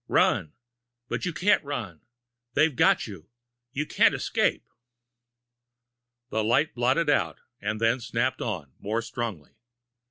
Run but you can't run! They've got you! You can't escape! The light blotted out, and then snapped on, more strongly.